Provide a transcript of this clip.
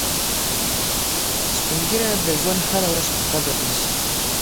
سپین ږیری د ژوند هره ورځ په قدر نیسي